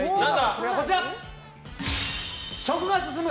それが、こちら食が進む！